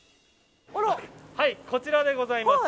こちらでございます。